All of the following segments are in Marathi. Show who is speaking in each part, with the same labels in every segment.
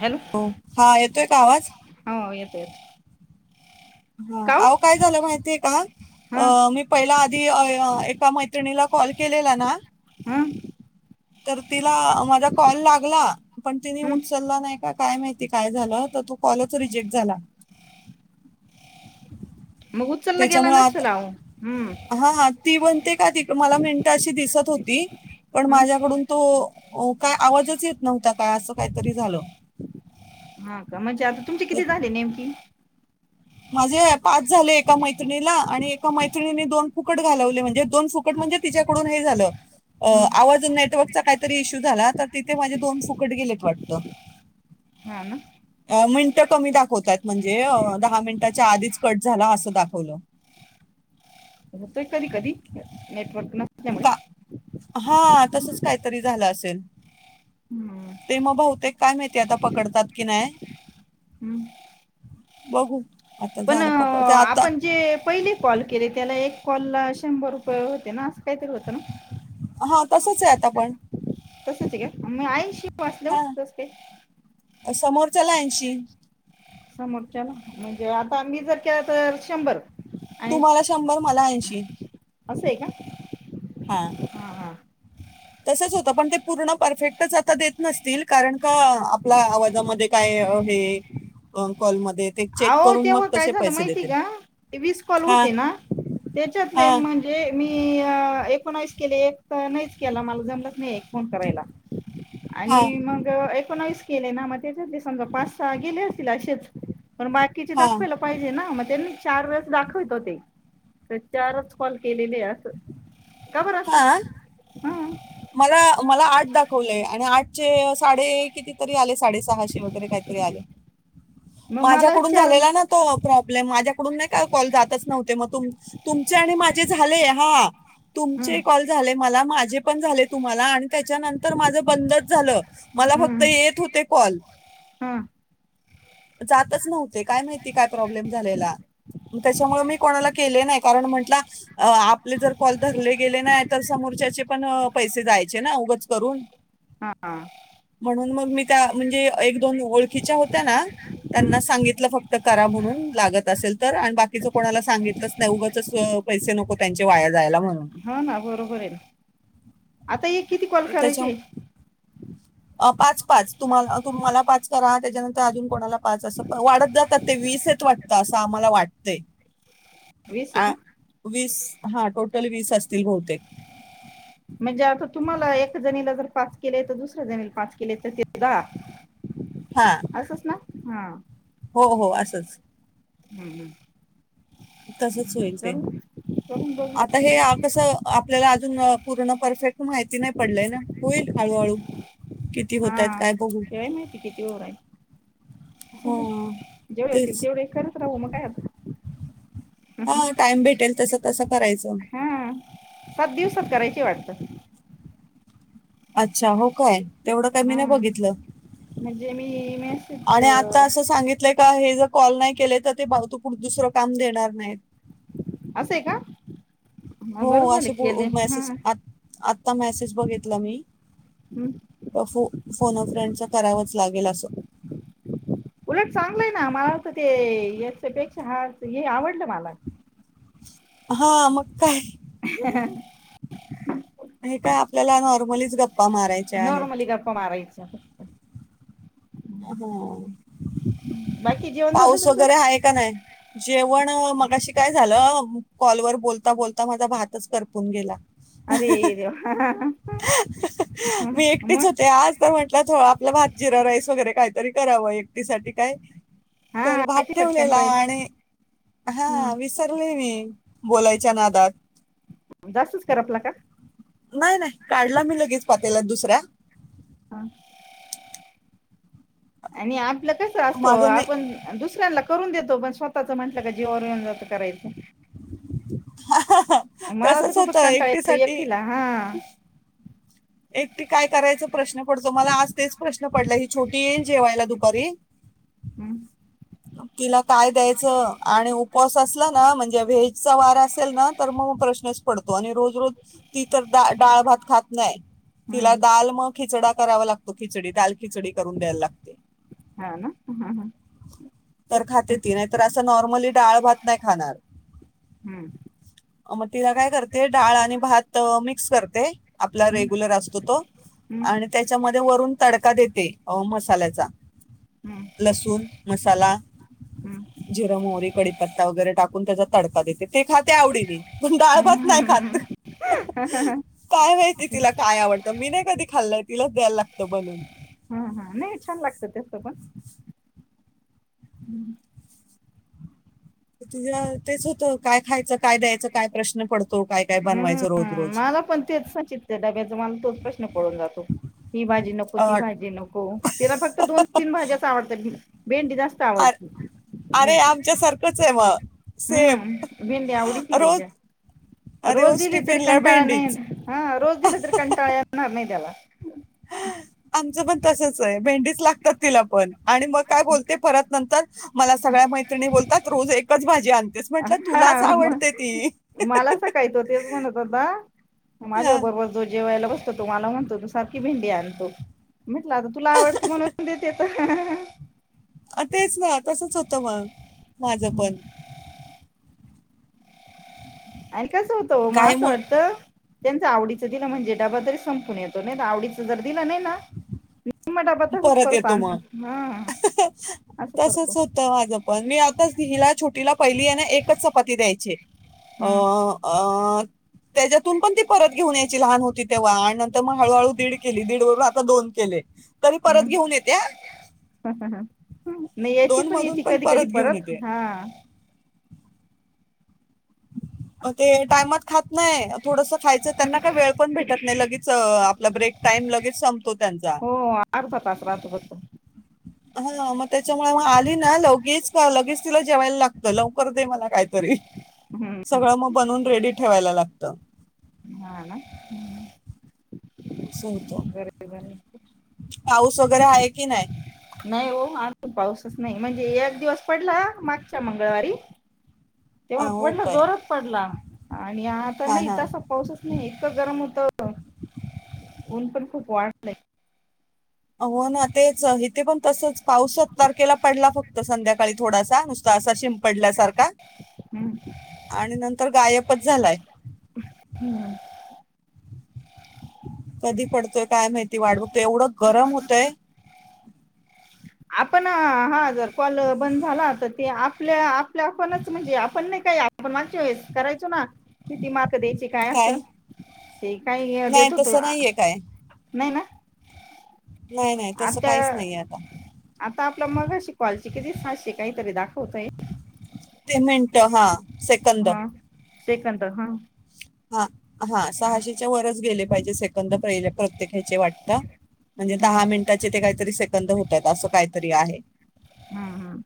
Speaker 1: हॅलो
Speaker 2: हो हा येतोय का आवाज
Speaker 1: [inaudible] का ओ
Speaker 2: अहो काय झालं माहितीय
Speaker 1: हं
Speaker 2: का मी पहिला आधी एका मैत्रिणीला कॉल केलेला ना
Speaker 1: हं
Speaker 2: तर तिला माझा कॉल लागला लागला पण तिने
Speaker 1: हं
Speaker 2: उचलला नाही का काय माहिती काय झालं तर तो कॉलच रिजेक्ट झाला
Speaker 1: मग उचलला गेला
Speaker 2: त्याच्यामुळे आता
Speaker 1: नसेल अहो हम्म
Speaker 2: हा ती म्हणते का मला मिनटं अशी दिसत होती पण
Speaker 1: हं
Speaker 2: माझ्याकडून तो काय आवाजच येत नव्हता काय असं काहीतरी झालं
Speaker 1: हा का म्हणजे आता तुमची
Speaker 2: तर
Speaker 1: किती झाले नेमकी
Speaker 2: माझे पाच झाले एका मैत्रिणीला आणि एका मैत्रिणीनी दोन फुकट घालले म्हजे दोन फुकट म म्हणजे तिच्या कडून हे झालं
Speaker 1: हं
Speaker 2: आवाज नेटवरकचा इशू झाला तिथ मजे दोन फुकट गेलेत वाटत
Speaker 1: हा ना
Speaker 2: मिनिटं कमी दाखवतात म्हणजे दहा मिनिटं च्या आधीच कट झाला हा अस दाखवलं
Speaker 1: होतोय कधी कधी नेटवर्क नसल्यामुळे
Speaker 2: का हा तसच काहीतरी झालं असेल
Speaker 1: हम्म
Speaker 2: ते मग बहुते काय माहिती आता पकडतात की नाही
Speaker 1: हं
Speaker 2: बघू आता
Speaker 1: पण
Speaker 2: झालं पकड ते आता
Speaker 1: आपण जे पहिले कॉल केले त्याला एक कॉलला शंभर रुपये होते ना असं काहीतरी होतं ना
Speaker 2: हा तसच आहे आता पण
Speaker 1: तसच आहे का म ऐंशी वासलव
Speaker 2: हा
Speaker 1: नस्ते
Speaker 2: समोरच्याला ऐंशी
Speaker 1: समोरच्या लां म्हणजे आता मी जर केलं तर शंभर आणि
Speaker 2: तुम्हाला शंभर मला ऐंशी
Speaker 1: असं आहे का हा हा
Speaker 2: तसंच होतं पण ते पूर्ण परफेक्टच आता देत नसतील कारण का आपल्या आवाजामध्ये काय हे अं कॉलमध्ये ते चेक
Speaker 1: अहो
Speaker 2: करून
Speaker 1: तेव्हा
Speaker 2: मग
Speaker 1: काय
Speaker 2: तसे
Speaker 1: झालं
Speaker 2: पैसे
Speaker 1: माहिती
Speaker 2: देतील
Speaker 1: का विस कॉल
Speaker 2: हा
Speaker 1: होते ना त्याच्यातले
Speaker 2: हा
Speaker 1: म्हणजे मी पण केले एक तर नाहीच केला मला जमलंत नाही फोन करायला
Speaker 2: हा
Speaker 1: आणि मग पुन्हा वीस केलेय ना मग त्याच्यातले समजा पाच सहा गेले असतील असेच पण बाकीचे
Speaker 2: हा
Speaker 1: दाखवायला पाहिजे ना म त्यांनी चार वेळेस दाखवत होते तर चारच कॉल केलेले असं का बरं आस
Speaker 2: हा मला मला आठ दाखवलंय आणि आठचे साडे किती तरी आले साडे सहाशे वगैरे कितीतरी आले
Speaker 1: मग मला
Speaker 2: माझ्याकडून
Speaker 1: चार
Speaker 2: झालेला ना तो प्रॉब्लेम कडून नाही का कॉल जातच नव्हते मग तुमचे आणि माझे झाले हा
Speaker 1: हम्म
Speaker 2: तुमचे कॉल झाले मला माझ पण झाले तुम्हाला आणि त्याच्यानंतर माझ बंदच झालं मला फक्त
Speaker 1: हम्म
Speaker 2: येत होते कॉल
Speaker 1: हा
Speaker 2: जातच नव्हते काय माहिती काय प्रॉब्लेम झालेला त्याच्यामुळे मी कोणाला केले नाही कारण म्हटल आपले जर कॉल धरले गेले नाही तर समोरच्या पण पैसे जायचे ना उगच करून
Speaker 1: हा
Speaker 2: म्हणून मग मी म्हणजे एक दोन ओळखीच्या होत्या ना
Speaker 1: हम्म
Speaker 2: त्यांना सांगितलं फक्त करा म्हणून लागत असेल तर आणि बाकीच कोणाला सांगितलंच नाही उगच पैसे नको त्यांचे वाया जायला म्हणून
Speaker 1: हा ना बरोबर आहे आता ये किती कॉल
Speaker 2: त्याच्या
Speaker 1: करायचे
Speaker 2: अ पाच पाच तुम्हाला तुम्हाला पाच करा त्याच्यानंतर अजून कोणाला पाच अस वाढत जातात ते वीस वाटत असं आम्हाला वाटतय
Speaker 1: वीस आहे का
Speaker 2: वीस हा टोटल वीस त बहुतेक
Speaker 1: म्हणजे आता तुम्हाला एक जणी जर पाच केले तर दुसऱ्या जणीला पाच केले तर ते द
Speaker 2: हा
Speaker 1: अससंस ना हा
Speaker 2: हो हो असच
Speaker 1: हम्म हम्म
Speaker 2: तसच होईल ते
Speaker 1: करून बघू
Speaker 2: आता हे कसं आपल्याला अजून पूर्ण परफेक्ट माहिती नाही पडलाय ना होईल हळूहळू किती
Speaker 1: हा
Speaker 2: होत आहेत काय बघू
Speaker 1: शवाय माहिती कि तेव रा
Speaker 2: हा
Speaker 1: जेवढे होतील
Speaker 2: तेच
Speaker 1: तेवढे खरंच राहू मग काय आता [unintelligible]
Speaker 2: हा टाइम भेटेल तस तस करायचं
Speaker 1: हा सात दिवसात करायची वाटत
Speaker 2: अच्छा हो काय तेवढं काय मी
Speaker 1: हा
Speaker 2: नाही बघितलं
Speaker 1: म्हणजे मी मेसेज
Speaker 2: आणि आता असं सांगितलं का हे जर कॉल नाही केले तर ते भाऊ त कुठ दुसरं काम देणार नाही
Speaker 1: असं आहेय का हा
Speaker 2: हो
Speaker 1: बरं झाले
Speaker 2: असे
Speaker 1: केले हा
Speaker 2: मेसेज आ आत्ता मेसेज बघितला मी
Speaker 1: हम्म.
Speaker 2: फू फोनोफ्रेंडचं करावंच लागेल असो
Speaker 1: यापेक्षा हा हे आवडलं मला
Speaker 2: हा मका
Speaker 1: ह
Speaker 2: आणि काय आपल्याला नॉर्मलीच गप्
Speaker 1: नॉर्मली गप्पा मारायचा फक्त
Speaker 2: हा
Speaker 1: बाकी जेवण झालं
Speaker 2: पाऊस
Speaker 1: तुमचं
Speaker 2: वगैरे आहे का नाही जेवण मगाशी काय झालं कॉल वर बोलता बोलता माझा भातच करपून गेला
Speaker 1: अरे देवा हा मग
Speaker 2: थों आपलं भात जीर [unintelligible] गैरे काहीतरी करावं व्यक्तीसाठी काय
Speaker 1: हा
Speaker 2: तर भात
Speaker 1: सटकन
Speaker 2: ठेवलेला आणि हा
Speaker 1: पाहिजे
Speaker 2: विसरले मी बोलायच्या नादात
Speaker 1: जास्तच कर आपला का
Speaker 2: नाही नाही काढला मी लगेच पातला दुसऱ्या
Speaker 1: आणि आज कस असतो
Speaker 2: माझं नाही
Speaker 1: आपण दुसऱ्या करून देतो पण स्वतःचं म्हटलं का जीवावर जात कराचं मला तर
Speaker 2: तसंच
Speaker 1: खूपच
Speaker 2: होतं
Speaker 1: कंटाळ येतो
Speaker 2: एकटीसाठी
Speaker 1: एकटीला हा
Speaker 2: एकटी काय करायच प्रश्न पडतो मला आज तेच प्रश्न पडला ही छोटी येईल जेवायला दुपारी. तिला काय द्यायचं आणि उपवास असला म्हणजे व्हेजचा वार असेल ना तर मग प्रश्नच पडतो आणि रोज रोज त तर डाळ भात खात नाही. तिला दाल खिचडा करावा लागतो खिचडी दाल खिचडी करून द्यायला लागते.
Speaker 1: हा ना.
Speaker 2: तर खाते ती नाही तर नॉर्मली डाळ भात नाही खाणार.
Speaker 1: हम्म
Speaker 2: मग तिला काय करते डाळ आणि भात मिक्स करते. आपला रे [unintelligible] असतो तो आणि त्याच्यामध्ये वरून तडका देते. ते मसाल्याचा. लसूण, मसाला, जिर- मोहरी, कडीपत्ता वगैरे टाक त्याचा तडका देते ते खाते आवडीने. प डाळ भात नाय खात काय माहिती. काय आवडतं मी नाही कधी खाल्लंय तिलाच द्यायला लागतं बनून.
Speaker 1: हा हा नाही छान लागत त्यासं पण.
Speaker 2: त तेच होतं काय खायचं काय द्यायचं काय प्रश्न पडतो. काय काय
Speaker 1: हम्म
Speaker 2: बनवायचं रोज रोज
Speaker 1: मला पण तेचचितत डब्याचा मला तोच प्रश्न पळून जातो ही भाजी नको ती
Speaker 2: अं,
Speaker 1: भाजी नको तिला फक्त दोन तीन भाज्याच आवडतात. भेंडी जास्त
Speaker 2: अर
Speaker 1: आवडती
Speaker 2: अरे
Speaker 1: भेंडी
Speaker 2: आमच्या सारखंच आहे मग. सेम
Speaker 1: हम्म भेंडी आवडी त
Speaker 2: रोज
Speaker 1: त्याच्या रोज दिली तरी
Speaker 2: टिफिनला
Speaker 1: कंटाळ्या
Speaker 2: भेंडीच
Speaker 1: नाही हा रोज दिला तरी कंटाळा येणार नाही त्याला.
Speaker 2: आमचं पण तसच आहे भेंडीच लागतात तिला पण. आणि मग काय बोलते परत नंतर मला सगळ्या मैत्रिणी बोलतात, रोज एकच भाजी आणतेस म्हटलं, तुलाच
Speaker 1: हा
Speaker 2: आवडते
Speaker 1: मग
Speaker 2: ती
Speaker 1: मला सकाळी तो तेच म्हणत होता. माझ्या
Speaker 2: हा.
Speaker 1: बरोबर जो जेवायला बसतो तो मला म्हणतो तु सारखी भेंडी आणतो, म्हटलं आता तुला आवडती म्हणून देतेेत.
Speaker 2: अ तेच ना. तसच होतं मग माझं पण.
Speaker 1: आणि कसं होतं ओ मग असं वाटतं. त्यांच आवडीचं दिलं, म्हणजे डबा तरी संपून येतो, नाही आवडीच जर दिलं नाही ना मग डबा तसच
Speaker 2: परत येतो
Speaker 1: आणतात
Speaker 2: मग
Speaker 1: हा असं करतो
Speaker 2: तसच होतं माझं पण, मी आताचला छोटीला पहिली आहे ना एकच चपाती द्यायचे. अ
Speaker 1: हम्म
Speaker 2: आ. त्याच्यातून पण ती परत घेऊन यायची, ती लहान होती तेव्हा आणि. मग हळूहळू दीड केली, दीड बरोबर आता दोन केले. तरी परत
Speaker 1: हम्
Speaker 2: घेऊन येते हा.
Speaker 1: नाही, याची
Speaker 2: दोन
Speaker 1: पण
Speaker 2: मधून
Speaker 1: याची कधी कधी
Speaker 2: घेऊन
Speaker 1: परत
Speaker 2: येते
Speaker 1: हा.
Speaker 2: [inaudible] ते टाइमात खात नाही, थोडस खायचं त्यांना काय वेळ पण भेटत नाही, लगेच आपला ब्रेक टाईम लगेच संपतो त्यांचा.
Speaker 1: हो अर्धा तास राहतो फक्त
Speaker 2: हा मग त्याच्यामुळे, मग आली ना लगेच लगेच तिला जेवायला लागत लवकर. म कातरी
Speaker 1: हम्म
Speaker 2: सगळ मग बनून. रेडी ठेवायला लागत.
Speaker 1: हा ना हम्म.
Speaker 2: असं होत पाऊस वगैरे आहे की नाही.
Speaker 1: नाही हो आज पाऊसच नाही, म्हणजे एक दिवस पडला मागच्या मंगळवारी. तेव्हा
Speaker 2: अं, हो
Speaker 1: पडला
Speaker 2: काय
Speaker 1: जोरात पडला, आणि आता
Speaker 2: हा
Speaker 1: नाही,
Speaker 2: हा
Speaker 1: तसा पाऊसच नाही, इतकं गरम होत. ऊन पण खूप वाढलय.
Speaker 2: हो ना तेच इथे पण तसच पाऊसात तारखेला पडला फक्त संध्या काळी थोडासा नुसता अस शींप पडल्यासारख
Speaker 1: हम्म
Speaker 2: आणि नंतर गायच झालाय.
Speaker 1: हम्म
Speaker 2: कधी पडतोय काय माहिती वाढ बघ तोय गरम होतंय.
Speaker 1: आपण हा जर कॉल बंद झाला, तर ते आपल्या आ ल्या आपणच म्हणजे आपण नाही काय. आपण मागच्या वेळेस करायचो ना. किती मार्क द्यायची, काय असं ते काय
Speaker 2: नाही
Speaker 1: देत होतो.
Speaker 2: तसं नाहीये काय
Speaker 1: नाही ना.
Speaker 2: नाही नाही तस
Speaker 1: आता
Speaker 2: काहीच नाही यात.
Speaker 1: आता आपलं मगाशी कॉलचे किती, सहाशे काही तरी दाखवतयं.
Speaker 2: पेमेंट हां सेकंद
Speaker 1: हा सेकंद हा.
Speaker 2: हा. हां सहाशेच्या वरच गेले. पाहिजे सेकंद, पहिले प्रत्येकाचे वाटतं. म्हणजे दहा
Speaker 1: हम्म
Speaker 2: मिनिटाचे ते काहीतरी से बंद होतायत, असं काहीतरी आहे.
Speaker 1: हां हां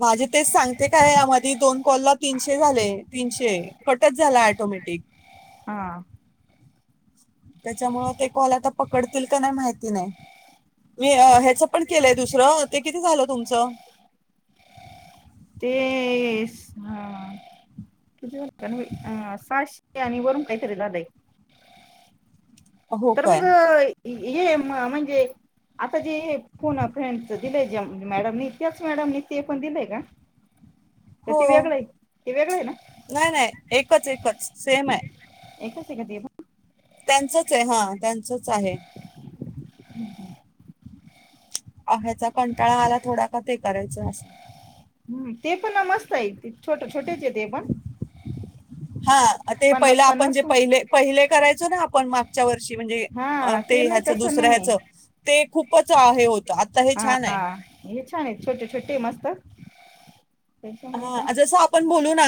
Speaker 2: माझे तेच, सांगते काय, यामधे दोन कॉलला तीनशे झाले, तीनशे कटचं झाला ऑटोमॅटिक.
Speaker 1: हां
Speaker 2: त्याच्यामुळं ते कॉल आता पकडतील का नाय माहिती नाय. मी अ ह्याच पण केलंय दुसरं, ते किती झालं तुमचं?
Speaker 1: तेस- हां, किती झालं? तन्वी आं सहाश ते आनी वरून काहीतरी झालयं.
Speaker 2: हो
Speaker 1: तर
Speaker 2: काय
Speaker 1: मग हे म्- म्हणजे, आता जे फोन फ्रेंडच दिलयं ज्या मॅडमनी, त्याचं मॅडमनी ते पण दिलय का? तर
Speaker 2: हो,
Speaker 1: ते वेगळं आहे ते वेगळं आहे ना
Speaker 2: नाय-नाय, एकच-एकच सेम आहे.
Speaker 1: एकच आहे का, ते पण?
Speaker 2: त्यांचच आहे, हां त्यांच असचं आहे. अ- ह्याचा कंटाळा आला थोडा, का ते करायचं.
Speaker 1: हम् ते पणा, मस्त आहे ते. छोट छोटेच आहे ते पण
Speaker 2: हां ते पहिलं
Speaker 1: पन्नास
Speaker 2: आपण जे,
Speaker 1: पन्नास
Speaker 2: पहिले पहिले करायचो ना, आपण मागच्या वर्षी, म्हणजे अ
Speaker 1: हा
Speaker 2: ते
Speaker 1: नाही
Speaker 2: ह्याच,
Speaker 1: तसं
Speaker 2: दुसऱ्या ह्याच ते खूपच आहे होत आता हे
Speaker 1: हां
Speaker 2: छान
Speaker 1: हां हे छान आहे, छोटे छोटे मस्त. त्याच्यामुळे काय
Speaker 2: हां जसं आपण बोलू ना,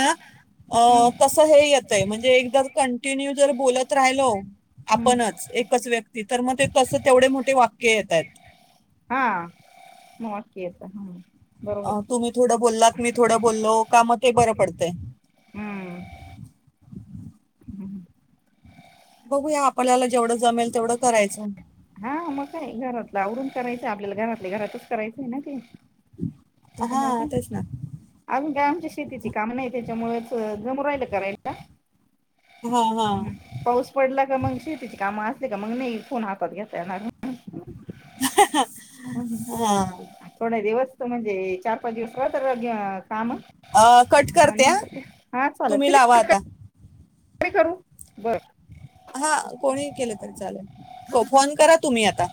Speaker 2: अ तस हे येतय, म्हणजे एकदाच कं ते न्यू जरा बोलत राहिलो
Speaker 1: हम्म
Speaker 2: आपणचं एकच व्य ते तर मग, ते तसं तेवढे मोठे वाक्य येता आहेत.
Speaker 1: हां मोप येत, हं
Speaker 2: अहो तुम्ही थोडं बोललात, मी थोडं बोललो का, मग ते बरं पडतंय.
Speaker 1: हम्म
Speaker 2: बघुया आपल्याला जेवढं जमेल तेवढं करायचं.
Speaker 1: हा मग काय घरातलं आवरून करायचं आपल्याला घरातले घरातच करायचंय ना ते
Speaker 2: हा तेच ना
Speaker 1: अजून काय आमच्या शेतीची काम नाही त्याच्यामुळेच जमू राहिल करायला
Speaker 2: हा हा
Speaker 1: हम् पाऊस पडला का मग शेतीची काम मग नाही फोन हातात घेतता येणार
Speaker 2: हाहाहा
Speaker 1: हम् हम् थोड दिवस त म्हणजे चार पाच दिवसला तर काम
Speaker 2: हा कट करते हा
Speaker 1: हा चालेल
Speaker 2: लावा
Speaker 1: तुम्ही
Speaker 2: आता
Speaker 1: कट करू बर.
Speaker 2: हा कोणी केलं तर चालेल फोन करा तुम्ही आता